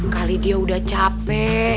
kali dia udah capek